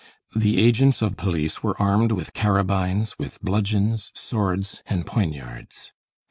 The agents of police were armed with carabines, with bludgeons, swords and poignards.